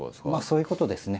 そういうことですね。